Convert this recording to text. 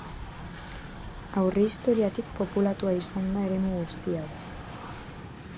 Aurrehistoriatik populatua izan da eremu guzti hau.